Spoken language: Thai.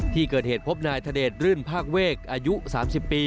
ที่เกิดเหตุพบนายธเดชรื่นภาคเวกอายุ๓๐ปี